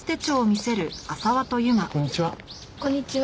こんにちは。